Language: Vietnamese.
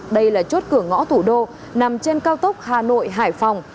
đây là chốt cửa ngõ thủ đô nằm trên cao tốc hà nội hải phòng